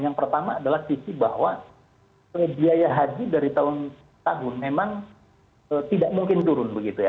yang pertama adalah sisi bahwa biaya haji dari tahun ke tahun memang tidak mungkin turun begitu ya